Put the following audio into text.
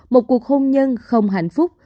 một cuộc hôn nhân không hạnh phúc